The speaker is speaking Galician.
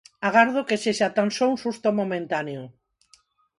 Agardo, que sexa tan só un susto momentáneo.